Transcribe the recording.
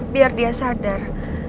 biar dia sadar